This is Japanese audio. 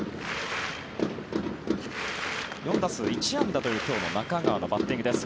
４打数１安打という今日の中川のバッティングです。